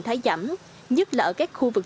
thái giảm nhất là ở các khu vực